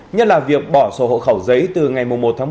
nhất là việc bỏ sổ hộ khẩu giấy từ ngày một một hai nghìn hai mươi ba